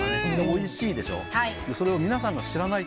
おいしいでしょ？